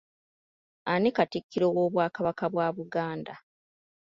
Ani katikkiro w'obwakabaka bwa Buganda?